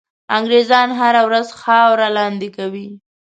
انګرېزان هره ورځ خاوره لاندي کوي.